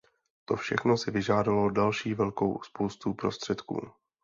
To všechno si vyžádalo další velkou spoustu prostředků.